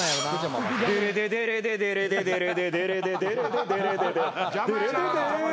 「デレデデレデデレデデレデデレデデレデデレデデ」邪魔やな。